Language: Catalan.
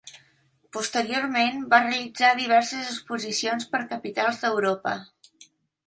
Posteriorment va realitzar diverses exposicions per capitals d'Europa.